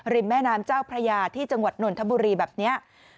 แม่น้ำเจ้าพระยาที่จังหวัดนนทบุรีแบบนี้